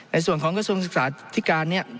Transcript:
ในส่วนของกระทรวงศึกษาธิการเนี่ย